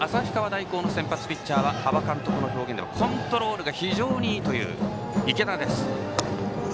大高の先発ピッチャーは端場監督の表現ではコントロールが非常にいいという池田。